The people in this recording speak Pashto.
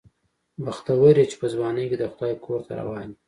بختور یې چې په ځوانۍ کې د خدای کور ته روان یې.